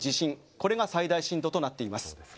これが最大震度となっています。